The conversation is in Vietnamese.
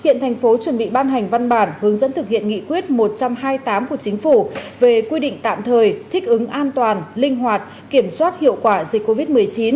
hiện thành phố chuẩn bị ban hành văn bản hướng dẫn thực hiện nghị quyết một trăm hai mươi tám của chính phủ về quy định tạm thời thích ứng an toàn linh hoạt kiểm soát hiệu quả dịch covid một mươi chín